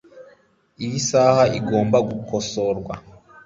Iyi saha igomba gukosorwa